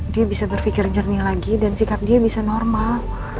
dia bisa berpikir jernih lagi dan sikap dia bisa normal